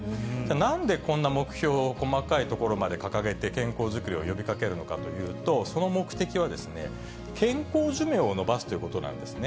なんでこんな目標を細かいところまで掲げて健康作りを呼びかけるのかというと、その目的はですね、健康寿命を延ばすということなんですね。